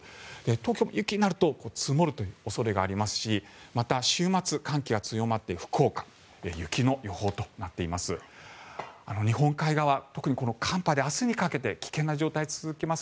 東京も雪になると積もる恐れがありますしまた、週末、寒気が強まって福岡、雪の予報となっています。